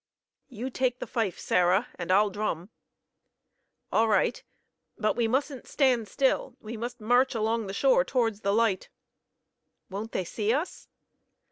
"You take the fife, Sarah, and I'll drum." "All right; but we mustn't stand still. We must march along the shore towards the light." "Won't they see us?"